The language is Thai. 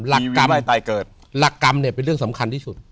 หลักกรรมหลักกรรมเนี่ยเป็นเรื่องสำคัญที่สุด